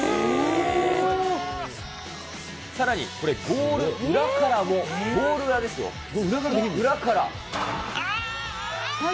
さらにこれ、ゴール裏からも、ゴール裏ですよ、裏から。